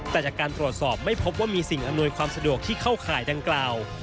แต่จากการตรวจสอบไม่พบว่ามีสิ่งอำนวยความสะดวกที่เข้าข่ายดังกล่าว